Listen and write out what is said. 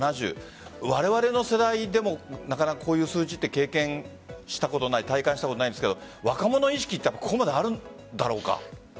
われわれの世代でもなかなか、こういう数字は経験したことがない体感したことはないですが若者意識はここまであるんだろうか？